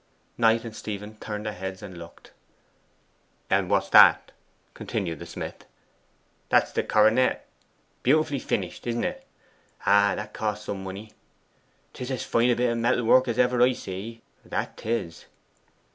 Knight and Stephen turned their heads and looked. 'And what's that?' continued the smith. 'That's the coronet beautifully finished, isn't it? Ah, that cost some money!' ''Tis as fine a bit of metal work as ever I see that 'tis.